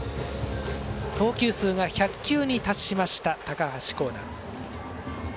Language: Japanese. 投球数が１００球に達しました高橋光成。